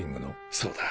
そうだ。